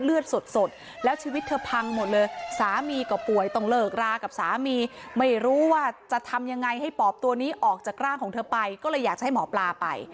สดแล้วชีวิตเธอพังหมดเลยสามีก็ป่วยต้องเลิกรากับสามีไม่รู้ว่าจะทำยังไงให้ปอบตัวนี้ออกจากร่างของเธอไปก็เลยอยากจะให้หมอปลาไป